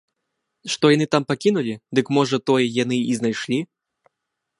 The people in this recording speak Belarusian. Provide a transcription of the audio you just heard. Што яны там пакінулі, дык можа тое яны і знайшлі.